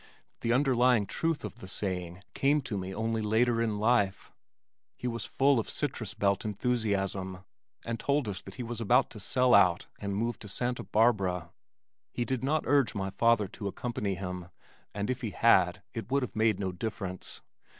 The underlying truth of the saying came to me only later in my life. He was full of "citrus belt" enthusiasm and told us that he was about to sell out and move to Santa Barbara. He did not urge my father to accompany him, and if he had, it would have made no difference.